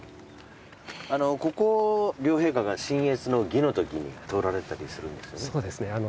あのここを両陛下が親謁の儀のときに通られたりするんですよね？